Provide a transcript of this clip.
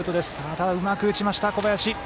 ただ、うまく打ちました、小林。